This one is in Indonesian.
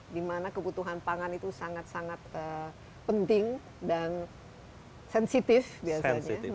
dimana kebutuhan pangan itu sangat sangat penting dan sensitif biasanya